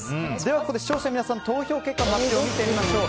ここで視聴者の皆さんの投票結果を見てみましょう。